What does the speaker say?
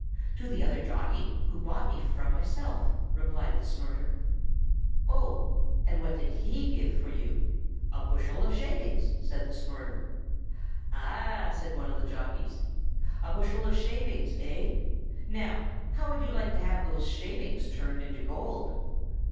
"To the other jockey, who bought me from myself," replied the Snorter. "Oh! and what did he give for you?" "A bushel of shavings," said the Snorter. "Ah!" said one of the jockeys. "A bushel of shavings, eh? Now, how would you like to have those shavings turned into gold?"